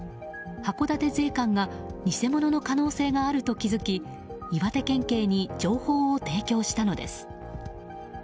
函館税関が偽物の可能性があると気づき岩手県警に情報を提供したのです。